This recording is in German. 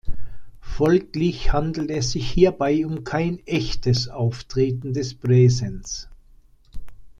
Folglich handelt es sich hierbei um kein "echtes" Auftreten des Präsens.